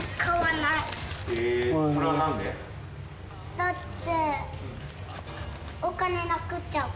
だって。